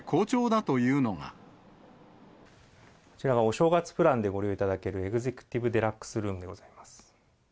こちらがお正月プランでご利用いただける、エグゼクティブデラックスルームでございます。